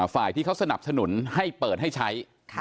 ฝ่ายที่เขาสนับสนุนให้เปิดให้ใช้